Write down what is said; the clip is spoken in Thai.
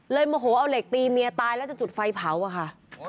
โมโหเอาเหล็กตีเมียตายแล้วจะจุดไฟเผาอะค่ะ